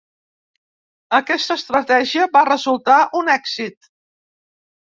Aquesta estratègia va resultar un èxit.